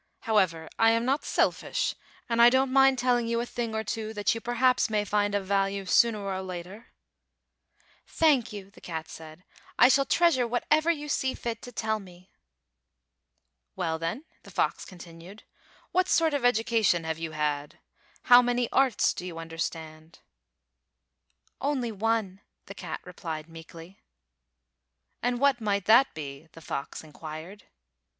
However, I am not selfish, and I don't mind telling you a thing or two that you perhaps may find of value sooner or later." "Thank you," the cat said; "I shall treas ure whatever you see fit to tell me." "Well, then," the fox continued, "what sort of education have you had? How many arts do you understand?" "Only one," the cat replied meekly. F airy T ale F oxes 213 "And what might that be?" the fox in quired.